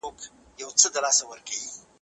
آب حیات د بختورو نصیب سینه